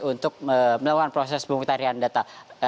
untuk melakukan proses pemungutan data